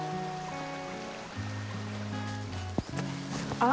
あ！